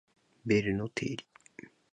ベルの定理